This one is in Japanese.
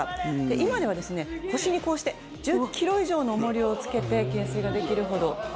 今では腰にこうして１０ｋｇ以上の重りをつけて懸垂ができるほど。